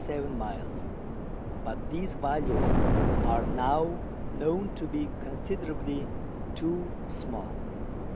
But these values are now known to be considerably too small.